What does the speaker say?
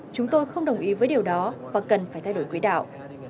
chúng tôi không đồng ý với điều đó và cần phải thay đổi quỹ đạo